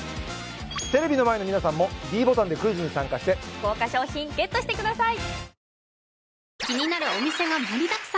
テレビの前の皆さんもｄボタンでクイズに参加して豪華賞品ＧＥＴしてください